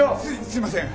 すいません！